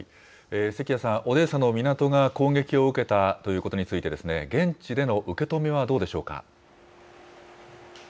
関谷さん、オデーサの港が攻撃を受けたということについて、現地での受け止めはどうでしょうか。